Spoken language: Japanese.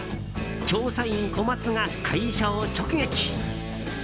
調査員コマツが会社を直撃。